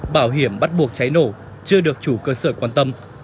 bảo hiểm bắt buộc cháy nổ chưa được chủ cơ sở quan tâm